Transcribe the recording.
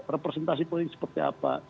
representasi politiknya seperti apa